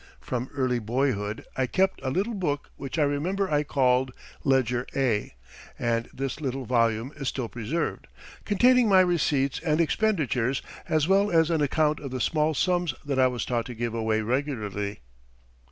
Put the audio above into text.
From early boyhood I kept a little book which I remember I called Ledger A and this little volume is still preserved containing my receipts and expenditures as well as an account of the small sums that I was taught to give away regularly.